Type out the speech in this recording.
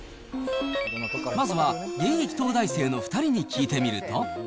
まずは現役東大生の２人に聞いてみると。